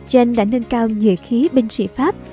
jeanne đã nâng cao nhuệ khí binh sĩ pháp